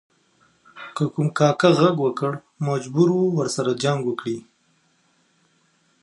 که کوم کاکه ږغ وکړ مجبور و ورسره جنګ وکړي.